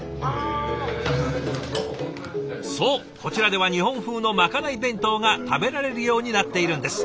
そうこちらでは日本風のまかない弁当が食べられるようになっているんです。